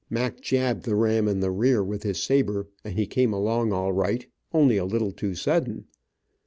Mac jabbed the ram in the rear with his saber, and he came along all right, only a little too sudden.